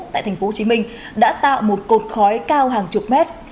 tại tp hcm đã tạo một cột khói cao hàng chục mét